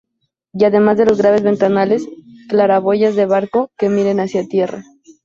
Y además de los grandes ventanales, claraboyas de barco que miran hacia tierra.